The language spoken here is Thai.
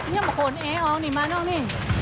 เนี้ยมาขนเอ๋อออกหนิมานอกหนิ